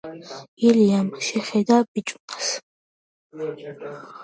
ილიამ შეხედა ბიჭუნას,